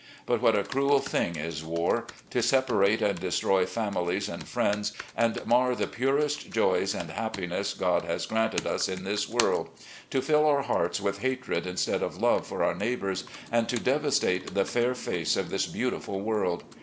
But what a cruel thing is war; to separate and destroy families and friends, and mar the purest joys and happiness God has granted us in this world; to our hearts with hatred instead of love for our neighbours, and to devastate the fair face of this beautiftil world